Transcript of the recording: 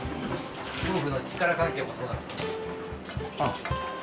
夫婦の力関係もそうなんですか。